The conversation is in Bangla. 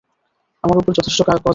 আমার উপর যথেষ্ট কজা গেছে।